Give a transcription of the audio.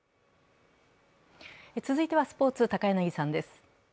続いてはスポーツ、高柳さんです